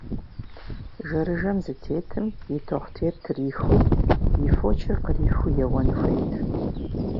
Жэрыжэм зыдытетым, и тохъутейр трихыу, и фочыр къырихыу еуэн хуейт.